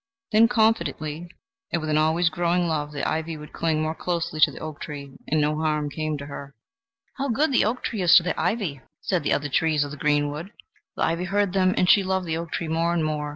Then, confidently and with an always growing love, the ivy would cling more closely to the oak tree, and no harm came to her. "How good the oak tree is to the ivy!" said the other trees of the greenwood. The ivy heard them, and she loved the oak tree more and more.